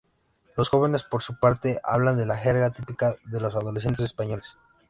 Los jóvenes, por su parte, hablan la jerga típica de los adolescentes españoles.